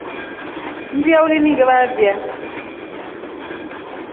Mria ulingivavia.